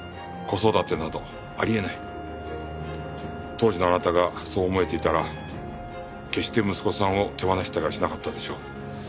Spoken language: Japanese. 当時のあなたがそう思えていたら決して息子さんを手放したりはしなかったでしょう。